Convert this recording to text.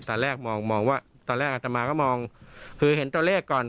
ตอนแรกมองมองว่าตอนแรกอัตมาก็มองคือเห็นตัวเลขก่อน